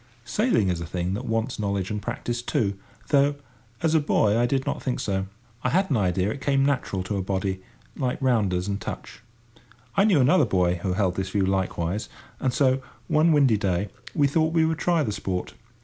Sailing is a thing that wants knowledge and practice too—though, as a boy, I did not think so. I had an idea it came natural to a body, like rounders and touch. I knew another boy who held this view likewise, and so, one windy day, we thought we would try the sport.